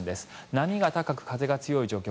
波が高く風が強い状況